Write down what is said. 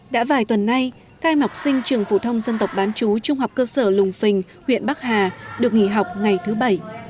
đã vài tuần nay hai học sinh trường phụ thông dân tộc bán chú trung học cơ sở lùng phình huyện bắc hà được nghỉ học ngày thứ bảy